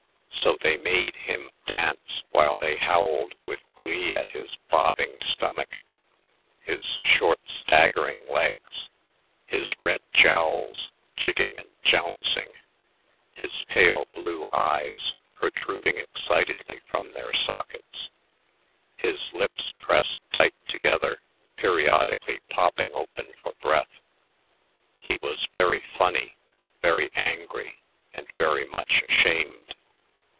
So they made him dance while they howled with glee at his bobbing stomach; his short, staggering legs; his red jowls, jigging and jouncing; his pale blue eyes, protruding excitedly from their sockets; his lips pressed tight together, periodically popping open for breath. He was very funny, very angry, and very much ashamed.